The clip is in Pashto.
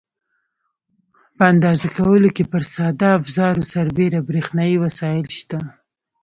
په اندازه کولو کې پر ساده افزارو سربېره برېښنایي وسایل شته.